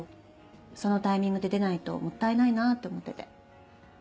そのタイミングで出ないともったいないなって思ってて。